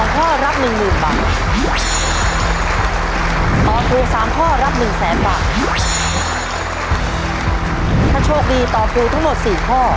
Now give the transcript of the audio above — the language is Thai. ถ้าโชคดีต่อครูทั้งหมดสี่ข้อ